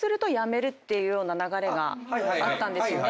あったんですよね。